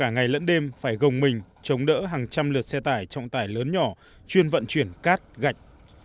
ngày lẫn đêm phải gồng mình chống đỡ hàng trăm lượt xe tải trọng tải lớn nhỏ chuyên vận chuyển cát gạch